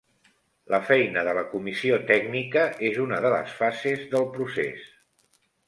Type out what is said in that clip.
La feina de la comissió tècnica és una de les fases del procés.